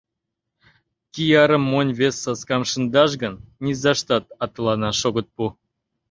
Киярым монь, вес саскам шындаш гын, низаштат атыланаш огыт пу.